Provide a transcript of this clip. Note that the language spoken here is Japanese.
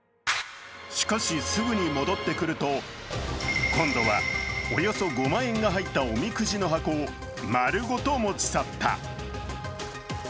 しかしすぐに戻ってくると今度はおよそ５万円が入ったおみくじの箱を丸ごと持ち去った。